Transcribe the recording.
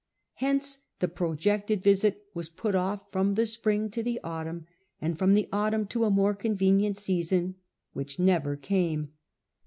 Hence the projected visit was put off from the spring to the autumn, and from the autumn to a more convenient season which never came.